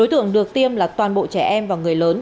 trường được tiêm là toàn bộ trẻ em và người lớn